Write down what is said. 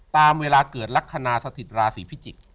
ตามเวลาเกิดลักษณะสถิตราศีพิจิกษ์